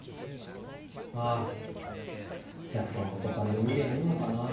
あやっぱ元カレに未練あんのかな。